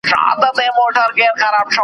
چي وعدې یې د کوثر د جام کولې .